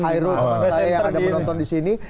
saya yang ada menonton disini